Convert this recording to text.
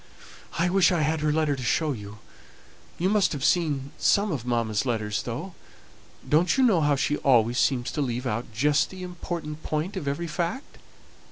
"I wish I had her letter to show you; you must have seen some of mamma's letters, though; don't you know how she always seems to leave out just the important point of every fact?